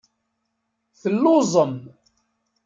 Telluẓem.